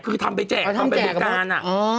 คือทำไปแจกเอาไปอีกดีการอ่ะ